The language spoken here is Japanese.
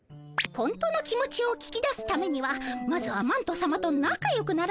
本当の気持ちを聞き出すためにはまずはマントさまとなかよくならなければ。